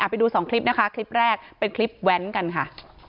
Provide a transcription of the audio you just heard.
ไปดูสองคลิปนะคะคลิปแรกเป็นคลิปแว้นกันค่ะ